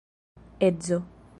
edzo